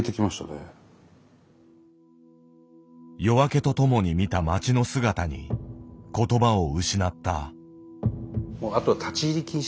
夜明けとともに見た町の姿に言葉を失った。